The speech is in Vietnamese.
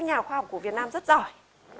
nhà khoa học của việt nam rất giỏi